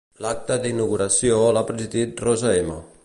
L'acte d'inauguració l'ha presidit Rosa M.